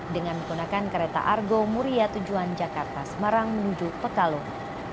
dengan menggunakan kereta argo muria tujuan jakarta semarang menuju pekalong